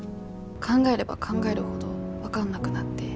考えれば考えるほど分かんなくなって。